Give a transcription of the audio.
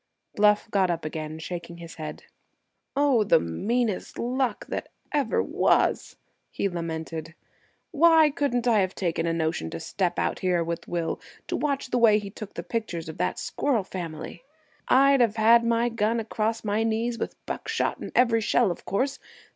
Bluff got up again, shaking his head. "Oh, the meanest luck that ever was!" he lamented. "Why couldn't I have taken a notion to step out here with Will, to watch the way he took the pictures of that squirrel family? I'd have had my gun across my knees, with buckshot in every shell, of course.